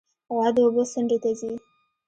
غوا د اوبو څنډې ته ځي.